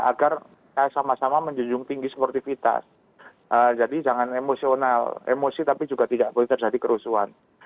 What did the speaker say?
agar sama sama menjunjung tinggi sportivitas jadi jangan emosional emosi tapi juga tidak boleh terjadi kerusuhan